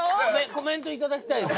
コメント頂きたいです。